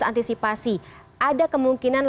atau antisipasi ada kemungkinan